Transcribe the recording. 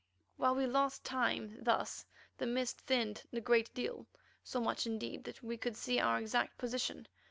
While we lost time thus the mist thinned a great deal, so much indeed that we could see our exact position.